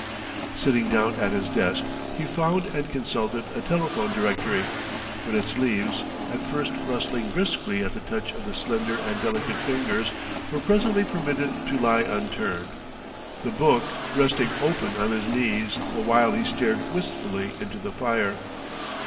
Sitting down at his desk, he found and consulted a telephone directory; but its leaves, at first rustling briskly at the touch of the slender and delicate fingers, were presently permitted to lie unturned, the book resting open on his knees the while he stared wistfully into the fire.